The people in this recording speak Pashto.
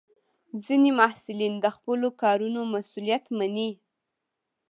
ځینې محصلین د خپلو کارونو مسؤلیت مني.